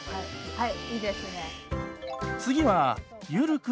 はい。